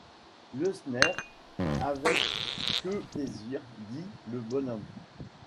Ieusner ! avecques plaisir ! dit le bon homme.